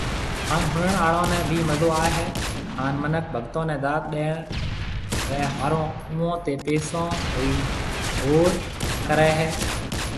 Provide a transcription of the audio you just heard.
ھان ۿڻڻ آڙون ني ڀي مزو آوي ھيَََ ھان منک ڀگتون ني داد ڏيڻ ري ۿارو اوئون تي پئسون ري گھور ڪري ھيَََ